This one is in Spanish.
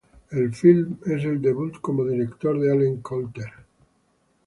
El film es el debut como director de Allen Coulter.